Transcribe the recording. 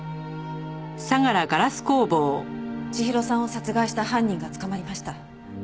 千尋さんを殺害した犯人が捕まりました。